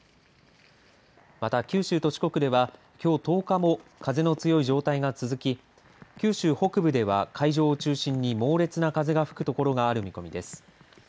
また九州と四国ではきょう１０日も風の強い状態が続き、九州北部では海上を中心に猛烈な風が吹くところがある見込みです。